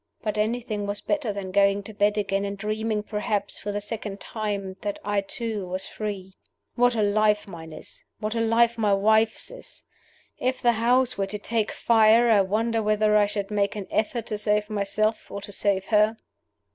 But anything was better than going to bed again, and dreaming perhaps for the second time that I too was free. "What a life mine is! what a life my wife's is! If the house were to take fire, I wonder whether I should make an effort to save myself or to save her?"